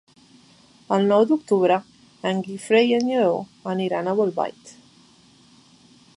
El nou d'octubre en Guifré i en Lleó aniran a Bolbait.